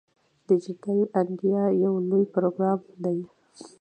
ډیجیټل انډیا یو لوی پروګرام دی.